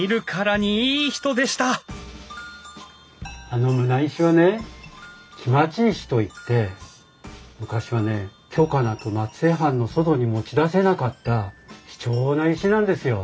あの棟石はね来待石といって昔はね許可なく松江藩の外に持ち出せなかった貴重な石なんですよ。